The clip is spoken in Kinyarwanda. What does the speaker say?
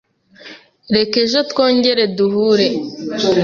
Reka ejo twongere duhure.